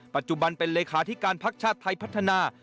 ปัจจุบันเป็นเดริการภาคชาติไทยพัฒนา